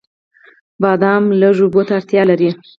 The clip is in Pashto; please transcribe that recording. بادام لږو اوبو ته اړتیا لري.